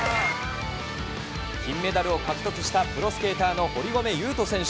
金メダルを獲得したプロスケーターの堀米雄斗選手。